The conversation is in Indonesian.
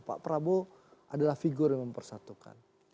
pak prabowo adalah figur yang mempersatukan